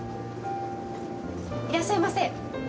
いらっしゃいませ。